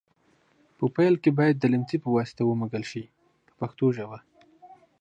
په پیل کې باید د لمڅي په واسطه ومږل شي په پښتو ژبه.